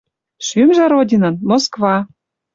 Шӱмжӹ Родинын — Москва.